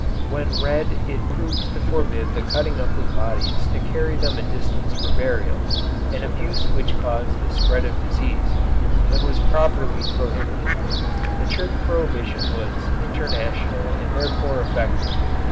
When read it proves to forbid the cutting up of bodies to carry them to a distance for burial, an abuse which caused the spread of disease, and was properly prohibited. The Church prohibition was international and therefore effective.